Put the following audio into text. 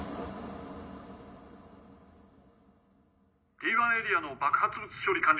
Ｄ１エリアの爆発物処理完了。